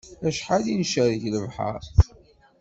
Acḥal i ncerreg lebḥer